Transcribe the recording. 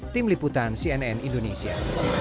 tim liputan cnn indonesia